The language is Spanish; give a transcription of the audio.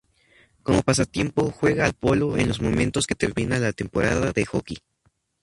Como pasatiempo juega al polo en los momentos que termina la temporada de Hockey.